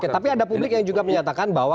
oke tapi ada publik yang juga menyatakan bahwa